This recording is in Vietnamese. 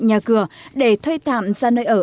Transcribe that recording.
nhà cửa để thay tạm ra nơi ở